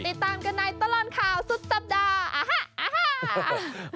ติดตามกันในตลอดข่าวสุดสัปดาห์